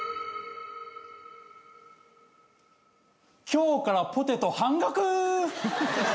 今日からポテト半額！